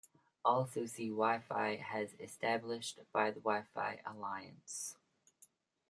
Also see Wi-Fi as established by the Wi-Fi Alliance.